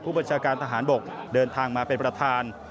บัญชาการทหารบกเดินทางมาเป็นประธาน